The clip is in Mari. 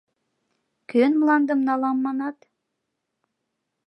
— Кӧн мландым налам манат?